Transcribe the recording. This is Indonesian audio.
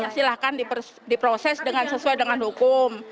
silahkan diproses sesuai dengan hukum